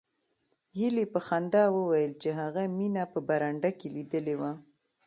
هیلې په خندا وویل چې هغه مینه په برنډه کې لیدلې وه